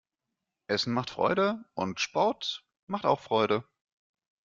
Essen macht Freude und Sport macht auch Freude.